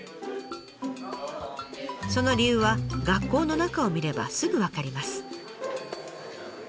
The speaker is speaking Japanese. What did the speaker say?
その理由は学校の中を見ればすぐ分かります。